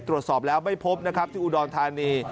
ตรวจสอบแล้วไม่พบนะครับที่อุดรธานี